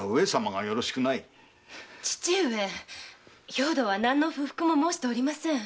兵藤は何の不服も申しておりません。